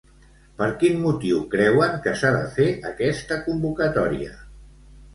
Per quin motiu creuen que s'ha de fer aquesta convocatòria?